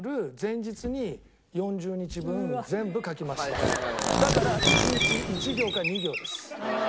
僕はだから１日１行か２行です。